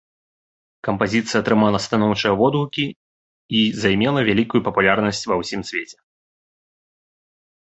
Кампазіцыя атрымала станоўчыя водгукі і займела вялікую папулярнасць ва ўсім свеце.